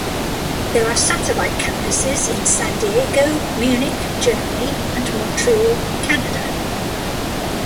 There are satellite campuses in San Diego, Munich, Germany and Montreal, Canada.